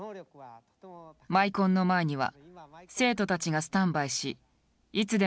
マイコンの前には生徒たちがスタンバイしいつでも操作法を学べる状態。